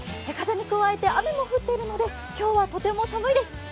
風に加えて雨も降っているので今日はとても寒いです。